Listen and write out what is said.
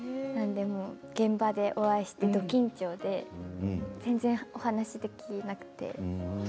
現場でお会いしてど緊張で全然、お話できなくて。